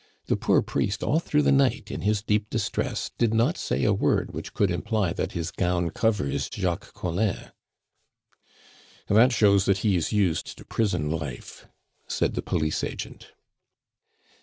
The poor priest all through the night, in his deep distress, did not say a word which could imply that his gown covers Jacques Collin." "That shows that he is used to prison life," said the police agent.